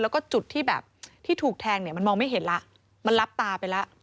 แล้วก็จุดที่แบบที่ถูกแทงเนี่ยมันมองไม่เห็นแล้วมันรับตาไปแล้ว